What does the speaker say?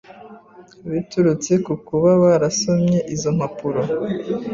biturutse ku kuba barasomye izo mpapuro.